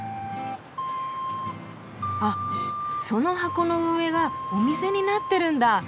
あっその箱の上がお店になってるんだ。